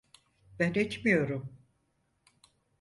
Ben etmiyorum.